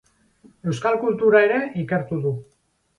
Euskal kultura ere ikertu du.